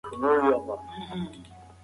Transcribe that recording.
د ټولني اصلاح تر هر څه مهمه ده.